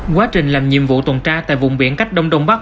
quá trình làm nhiệm vụ tuần tra tại vùng biển cách đông đông bắc